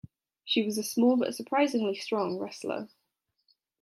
She was a small but surprisingly strong wrestler.